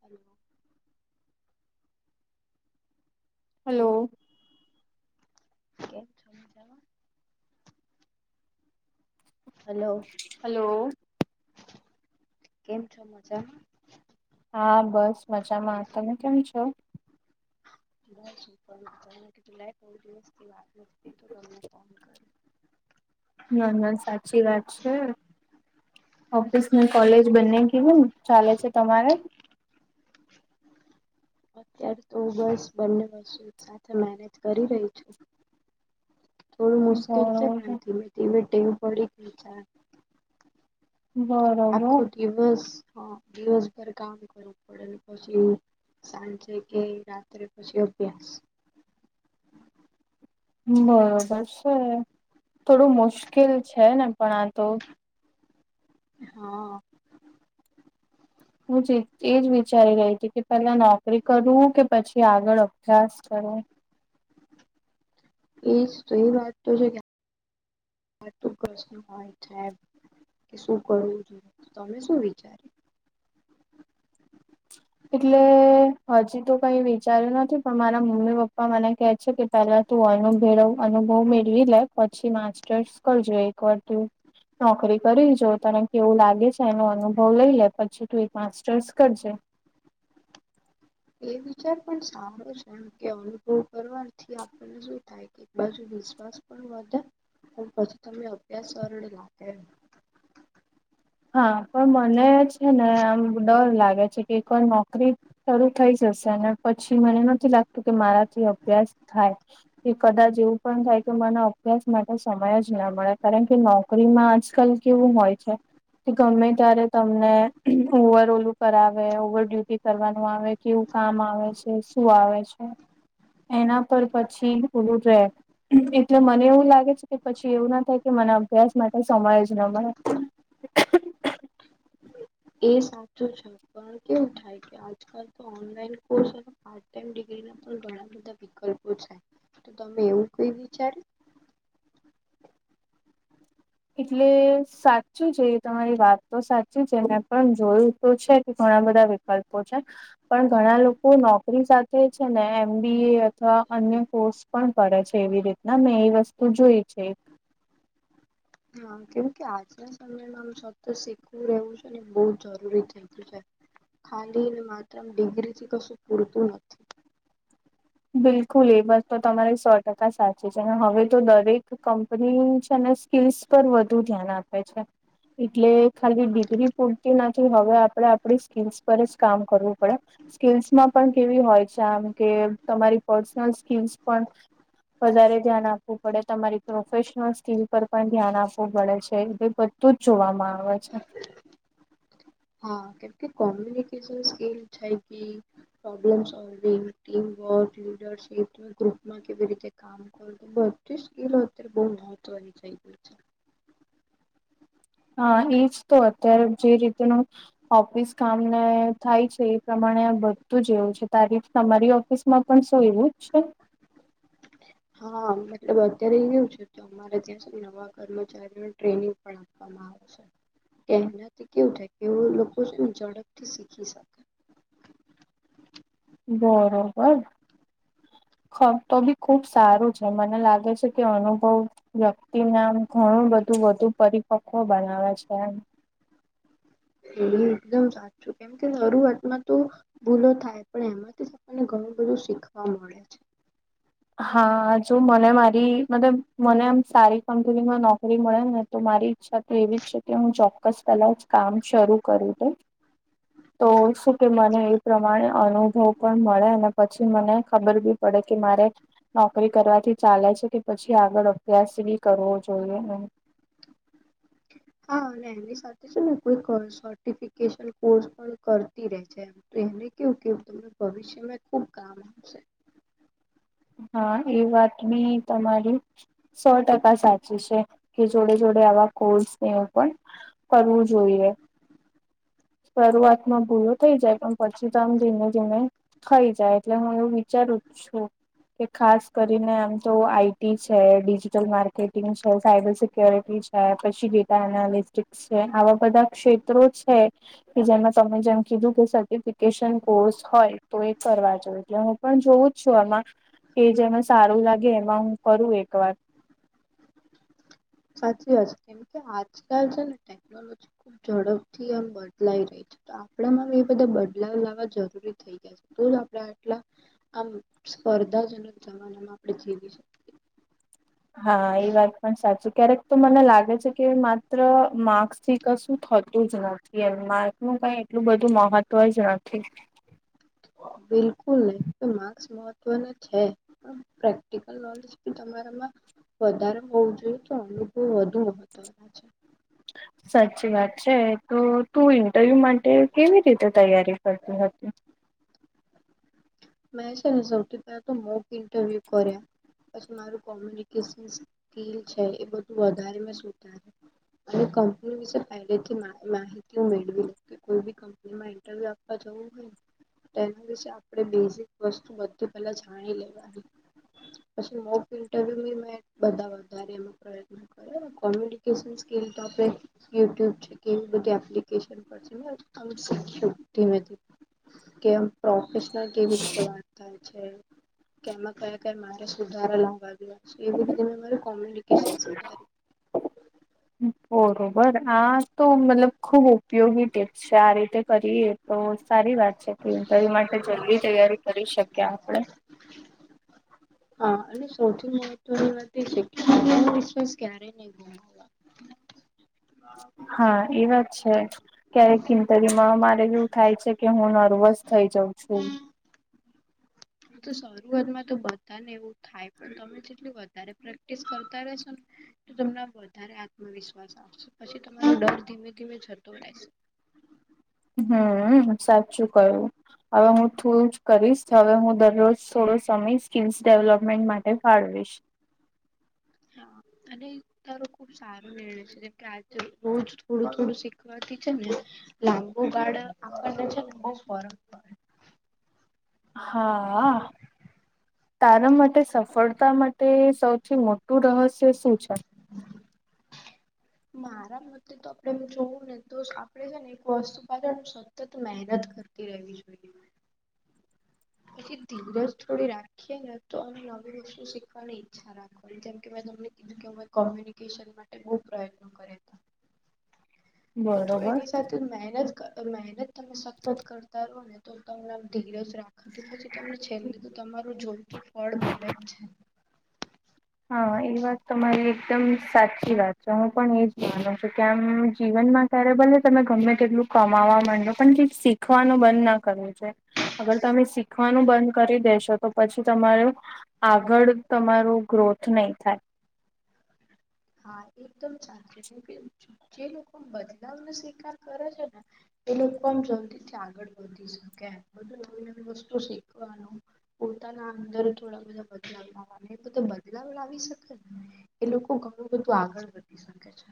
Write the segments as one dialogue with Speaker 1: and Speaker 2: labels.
Speaker 1: Hello. [unintelligible] Hello કેમ છો મજા માં. હલો
Speaker 2: હલો
Speaker 1: કેમ છો મજા માં.
Speaker 2: હા બસ મજામાં તમે કેમ છો.
Speaker 1: બસ પણ ત કે લ બહું દિવસ થી વાત નથી તો તમને ફોન કરો
Speaker 2: ના ના સાચી વાત છે. ઓફિસ ને કોલેજ બંને કેવુ ચાલે છે તમારે
Speaker 1: અત્યારે તો બસ બંને વસ્તુ એક સાથે મેનેજ કરી રહી છું. થોડું મુશ્કેલ છે
Speaker 2: બરોબર
Speaker 1: પણ ધીમે ધીમે ટેવ પડી ગઈ છે. આખો
Speaker 2: બરોબર.
Speaker 1: દિવસ હ દિવસ પર કામ કર પડેલ પછી સાંજે કે રાત્રે પછી અભ્યાસ
Speaker 2: બરોબર છે, થોડું મુશ્કેલ છે ને પણ આ તો
Speaker 1: હ.
Speaker 2: હું એજ વિચારી રહી હતી કે પેલા નોકરી કરું કે પછી આગળ અભ્યાસ કરું
Speaker 1: એ તો એ વાત તો છે કે હોય છે. કે શું કરવું જોઈએ તમે શું વિચાર્યું?
Speaker 2: એટલે હજી તો કઈ વિચાર્યું નથી, પણ મારા મમ્મી પપ્પા મને કે છે કે ત તું અનુભ અનુભવ મેળવી લે પછી માસ્ટર્સ કરજો એક વાર ત નોકરી કરી જો તણ કે એવું લાગે છે એનો અનુભવ લઈ લે પછી તું એક માસ્ટર્સ કરજે.
Speaker 1: એ વિચાર પણ સારો છે, એમ કે અનુભવ કરવાથી આપણને શું થાય? એક બાજુ વિશ્વાસ પણ વધે પણ પછી તમે અભ્યાસ સરળી રાખ
Speaker 2: હા પણ મને છે ને આમ ડર લાગે છે કોય નોકરી શરૂ થઈ જશે અને પછી મને નથી લાગતું કે મારાથી અભ્યાસ થાય. કે કદાચ એવું પણ થાય કે મને અભ્યાસ માટે સમય જ ના મળે કારણ કે ન નોકરીમાં આજકાલ કેવું હોય છે. કે ગમે ત્યારે તમને ઓવર ઓલું કરાવે ઓવર ડ્યુટી કરવાનું આવે કેવું કામ આવે છે, શું આવે છે, એના પર પછી ઓલું રે એટલે મને એવું લાગે છે કે પછી એવું ના થાય કે મને અભ્યાસ માટે સમય જ ના મળે. [inaudible]
Speaker 1: એ સાચું છે પણ કેવું થાય કે આજકાલ તો ઓનલાઈન કોર્સ પાટાઈમ ડિગ્રી ના પણ ઘણા બધા વિકલ્પો છે તો તમે એવું કઈ વિચારે?
Speaker 2: એટલે સાચું છે, એ તમારી વાત તો સાચી છે ને પણ જોયું તો છે કે ઘણા બધા વ્યક્તિ ગલ્પો છે. પણ ઘણા લોકો નોકરી સાથે છે, ને એમ બી એ અથવા અન્ય કોર્સ પણ પડે છે એવી રીતના મેં એ વસ્તુ જોઈ છે.
Speaker 1: હા કેમ કે આજના સમયમાં આમ સત શીખવું રહવું છે ને બહ જરૂરી થઈતું છે. ખાલી ને માત્ર ડિગ્રી થી કશું પૂરતું નથી.
Speaker 2: બિલકુલ એ બસ તો તમારી સો ટકા સાચી છે, હવે તો દરેક કંપની છે ને સ્કીલ્સ પર વધુ ધ્યાન આપે છે. એટલે ખાલી ડિગ્રી પૂરતી ના હવે આપે આપડી સ્કીલ્સ પર જ કામ કરવું પડે. સ્કીલ્સમાં પણ કેવી હોય છે આમ કે તમારી પર્સનલ સ્કીલ્સ પણ વધારે ધ્યાન આપવું પડે તમારી પ્રોફેશનલ સ્કીિલ પર પણ ધ્યાન આપવું પડે છે એટલે તો જ જોવામાં આવે છે
Speaker 1: હા કેમકે કોમ્યુનિકેશન સ્કીલ છે કે [unintelligible] ગ્રુપમાં કેવી રીતે કામ બધી સ્કિલો અત્યારે બઉ મહત્વ ની થય ગય છે
Speaker 2: હા એજ તો અત્યારે જે રીતનું ઓફિસ કામ ને થાય છે. પ્રમાણે આ બધું જ એવું છે તારીફ તમારી ઓફિસમાં પણ શું એવું જ છે.
Speaker 1: હા મતલબ અત્યારે એ રહું છે તો અમાંત્યાં સુધી નવા કર્મચારીઓને ટ્રેનિંગ પણ આપવામાં આવે કેનાથી કેવું થાય કે એ લોકો શું ઝડપ થી શીખી શકે.
Speaker 2: બરોબર. ખ તો બી ખુબ સારું છે મને લાગે છે કે અનુભવ વ્યક્તિને આમ ઘણું બધું વધુ પરિપક્વ બનાવે છે, એમ
Speaker 1: એ એકદમ સાચું કેમ કે શરૂઆતમાં તો ભૂલો થાય પણ એમાંથી આપણને ઘણું બધું શીખવા મળે છે.
Speaker 2: હા જો મને મારી મતલબ મને આમ સારી કંપનીમાં નોકરી મળે ને તો મારી. અચ્છા તો એવી જ છે કે હું ચોક્કસ પેલા જ કામ શરૂ કરુ હુ તો શું કે મને એ પ્રમાણે અનુભવ. પણ મળે અને પછી મને ખબર બી પડે કે મારે. નોકરી કરવાથી ચાલે છે કે પછી આગળ અભ્યાસ બી કરવો જોઈએ એમ
Speaker 1: હા અને એની સાથે છે ને કોઈ સર્ટિફિકેશન કોર્સ પણ કરતી ર છે તો એને કેવું કેવું તમને ભવિષ્યમાં ખુબ કામ આવશે
Speaker 2: હા એ વાત બી તમારી સો ટકા સાચી છે કે જોડે જોડે આવા કોર્સ પણ કરવું જોઈએ શરૂઆતમાં ભૂલો થઈ જાય પણ પછી તો આમ ધીમે ધીમે થઇ જાય એટલે હું એવું વિચારું જ છું કે ખાસ કરીને આમ તો આઈટી છે ડિજિટલ માર્કેટિંગ છે સાયબર સ્યોરિટી છે પછી ડેટા એનાલિસ્ટિકસ છે આવા બધા ક્ષેત્રો છે કે જેમાં તમે જેમ કીધું કે સર્ટિફિકેશન કોર્સ હોય તો એ કરવા જો એટલે હુ પણ જોવું જ છું આમાં કે જેમાં સારું લાગે એમાં હું કરું એક વાર
Speaker 1: સાચી વાત છે કેમ કે આજકાલ છે ને ટેકનોલોજી ખુબ ઝડપથી એમ બદલાઈ રહી છે તો આપણામાં એ બધા બદલાવ લાવવા જરૂરી થઈ ગયા છે તો જ આપણે આટલા આમ સ્પર્ધાજનક જમાનામાં આપણે જીવી શકીએએ
Speaker 2: હા એ વાત પણ સાચું ક્યારેક તો મને લાગે લાગે છે કે માત્ર માર્ક્સ થી કશું થતું જ નથી માર્ક નું કઈ એટલું બધું મહત્વ જ નથી
Speaker 1: બિલકુલ નહી તો માસ્ક મહત્વનો છે પણ પ્રેક્ટિકલ નોલેજ પણ તમારામાં વધારે હોવું જોઈએ તો અનુભવ વધુ હોતા છે
Speaker 2: સાચી વાત છે તો તું ઇન્ટરવ્યુ માટે કેવી રીતે તૈયારી કરતી હતી
Speaker 1: મે છે ને સોથી પેલા તો મોક ઇન્ટરવ્યુ કર્યા પછી મારું કોમ્યુનિકેશન સ્કીલ છે એ બધું વધારે મેં સુધારીયું અને કંપની વિશે પહેલેથી માહે માહિતીઓ મેળવી લીધી એવી કંપનીયો માં ઇન્ટરવ્યુ આપવા જવું હોય તેના વિશે આપણે બેઝિક વસ્તુ બધી પેલા જાણી લેવાની પછી મોપ ઇન્ટરવ્યુ મેં બધા વધારે એનો પ્રયત્ન કોમ્યુનિકેશન સ્કલ તો આપણે યુટ્યુબ છે કે એવી બધી એપ્લિકન પછી મે એમ શોખીયું ધીમે ધીમે કેમ પ્રોફેશનલ કેવી રીતે વાત થાય છે કેમાં કયા કયા મારે સુધારો લાવ્યો છે એવી રીતે મે મારે કોમ્યુનિકેશન સુધાર્યું
Speaker 2: બરોબર, આ તો મતલબ ખુબ ઉપયોગી ટીપ્સ છે. આ રીતે કરીએ. તો સારી વાત છે કે એ માટે જલ્દી તૈયારી કરી શકીએ આપણે.
Speaker 1: હા, અને સૌથી મહત્વની વાત એ છે કે એ વિશ્વાસ ક્યારે નહીં ગુમું [unintelligible]
Speaker 2: હા એ વાત છે ક્યારે ઇન્ટરવ્યુ માં મારે એવું થાય છે કે હું નર્વસ થઇ જઉં છું
Speaker 1: તો શરૂઆતમાં તો બધાને એવું થાય પણ તમે જેટલી વધારે પ્રેક્ટિસ કરતા રશો ને તો તમને વધારે આત્મવિશ્વાસ આવશે પછી તમારો ડર ધીમે ધીમે જતો રહેશે
Speaker 2: હમ સાચું કયું હવે હું થોડું જ કરીશ હવે હું દરરોજ થોડો સમય સ્કીલ્સ ડેવલપમેન્ટ માટે ફાળવીશ
Speaker 1: હા અને તારો સારો નિર્ણય છે જેમ કે આજે રોજ થોડું થોડું શીખવાતી છે ને લાંબુ ગાળ આગણને છે બહુ ફરક પડે
Speaker 2: હા તારા માટે સફળતા માટે સૌ મોટું રહસ્ય શું છે
Speaker 1: [unintelligible] મારા મતે તો આપડે એમ જોવું ને, તો આપડે છે ને એક વસ્તુ બજાર શ સતત મહેનત કરતી રહેવી જોઈએ. એ, ધીરજ થોડી રાખીને તો અ નવી પ્રષણ શીખવાની ઈચ્છા મ કે મેં તને કે કોમ્યુનિકેશન માટે બો પ્રયત્નો કર્યા હતા. તો
Speaker 2: બરોબર
Speaker 1: એની સાથે મહેનત મહેનત તમે સતત કરતા રહો ને તો તમને ધીરજ રાખા હતી. પછી તમને છેલ્લે લીધું તમારું જોઈતું ફળ મળે જ છે.
Speaker 2: હા, એ વાત તમારી એકદમ સાચી વાત છે. હું પણ એજ માનું છું કે આમ જીવનમાં ત્યારે ભલે તમે ગમે તેટલું કમાવા માંડે, જો પણ શીખવાનું બંધ ના કરવું છે. અગર તમે શીખવાનું બંધ કરી દેેશો, તો પછી તમારું આગળ તમારુ ગ્રોથ નહીં થાય.
Speaker 1: હા, એકદમ સાચું. ને કે જે લોકો બદલાવનો સ્વીકાર કરે છે ને એ લોકોમ જલ્દી થી આગળ વધી શકે, બધું નવી નવી વસ્તુ શીખવાનું પોતાના અંદર થોડા બધા બદલાવ લાવવા, એ બધા બદલાવ લાવી શકે ને. એ લોકો ઘણું બધું આગળ વધી શકે છે.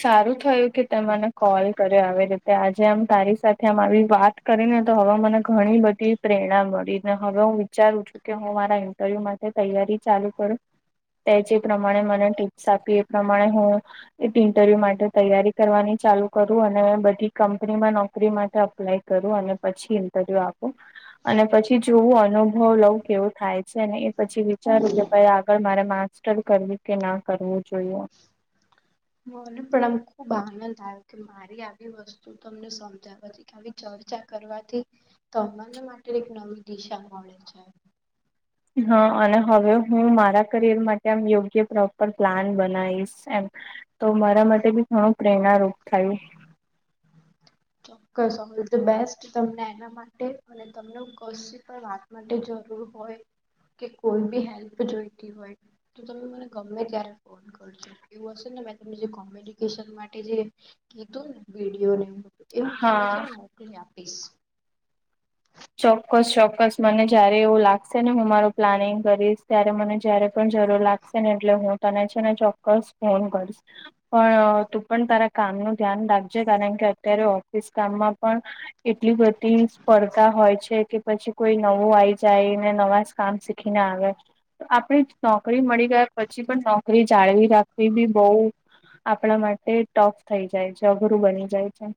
Speaker 2: સારું થયું કે તે મને કોલ કર્યો, આવે. તે આજે આમ તારી સાથે આમ આવી વાત કરીને તો હવે મને ઘણી બધી પ્રેરણા મળી. અને હવે હું વિચારું છું કે હું મારા ઇન્ટરવ્યુ માટે તૈયારી ચાલુ કરું. તે જે પ્રમાણે મને ટીપ્સ આપી એ પ્રમાણે હું ઇન્ટરવ્યુ માટે તૈયારી કરવાની ચાલુ કરું અને બધી કંપનીમાં નોકરી માટે અપ્લાય. કરું અને પછી ઇન્ટરવ્યુ આપ અને પછી જોવું અનુભવ લઉ કેવો થાય છે, અને પછી વિચારું કે, ભાઈ, આગળ મારે માસ્ટર કરવું કે ના કરવું જોઈએ.
Speaker 1: મને પણ આમ ખુબ આનંદ આવ્યો કે મારી આવી વસ્તુ તમને સમજે. આવી ચર્ચા કરવાથી તમારા માટે એક નવી દિશા મળે છે.
Speaker 2: હા, અને હવે હું મારા કરિયર માટે આમ યોગ્ય પ્રોપર પ્લાન બનાવીશ એમ. તો મારા માટે બી ઘણું પ્રેરણારૂપ થયું.
Speaker 1: ચોક્કસ, ઓલ ધ બેસ્ટ તમને એના માટે. અને ત વાત માટે જરૂર હોય. કે કોઈ બી હેલ્પ જોઈતી હોય, તો તમે મને ગમે ત્યારે ફોન એવું હશે ને, મે તને જે કોમ્યુનિકેશન માટે જે કીધું ને વિડીયો એ હું તમને છે,
Speaker 2: હા
Speaker 1: ને મોકલી આપીશ.
Speaker 2: ચોક્કસ ચોક્કસ મને જયારે એવું લાગશે, ને હું મારું પ્લાનિંગ કરીશ ત્યારે મને જયારે પણ જરૂર લાગશે ને એટલે હું તને છે, ને ચોક્કસ ફોન કરીશ. પણ તું પણ તારા કામ ન ધ્યાન રાખજે કારણ કે અત્યારે ઓફિસ કામમાં પણ. એટલી બધી સ્પર્ધા, હોય છે, કે પછી કોઈ નવું આવીઈ જાયને નવા કામ શીખીને આવે. આપણે નોકરી મળી ગયા પછી પણ નોકરી જાળવી રાખવી ભી બહુ, આપણા માટે ટોફ થઈ જાય છે, અઘરું બની જાય છે.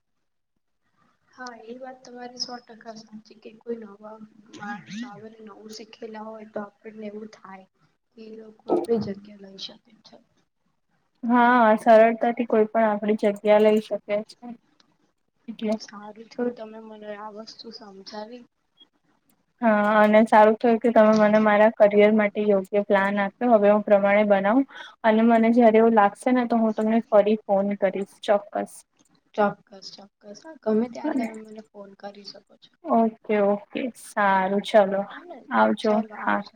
Speaker 1: હા, એ વાત સૌ ટકા સમજી કે, કોઈ નવા નવું શીખલા હોય તો પણને એવું થાય કે એ લોકો આપડી જગ્યા લઈ શકે છે.
Speaker 2: હા, સરળતાથી કોઈ પણ આપડી જગ્યા લઈ શકે છે.
Speaker 1: સારું થયું તમે મને આ વસ્તુ સમજાવી.
Speaker 2: હા, અને સારું થયું કે તમે મને મારા કરિયર માટે યોગ્ય પ્લાન આપ તો હવે હું પ્રમાણે બનાવું. અને મને જયારે એવું લાગશે ને, તો હું તમને ફરી ફોન કરીશ ચોક્કસ.
Speaker 1: ચોક્કસ, ચોક્કસ. હા, ગમે ત્યારે તમે મને ફોન કરી શકો છો.
Speaker 2: Okay, okay. સારું, ચલો
Speaker 1: હા ને
Speaker 2: આવજો.
Speaker 1: ચાલો
Speaker 2: હા.
Speaker 1: આવજો.